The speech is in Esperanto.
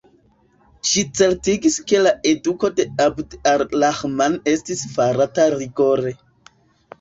Ŝi certigis ke la eduko de Abd ar-Rahman estis farata rigore.